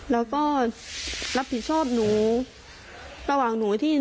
แล้วก็รับผิดชอบหนู